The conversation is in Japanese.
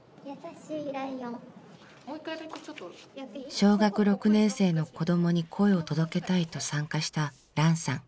小学６年生の子どもに声を届けたいと参加したランさん。